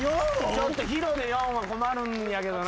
ちょっとＨｉｒｏで４は困るんやけどな。